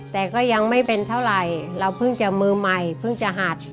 แต่ก็ยังไม่เป็นเท่าไหร่เราเพิ่งจะมือใหม่เพิ่งจะหัด